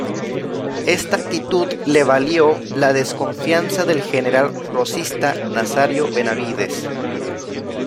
Esta actitud le valió la desconfianza del General rosista Nazario Benavídez.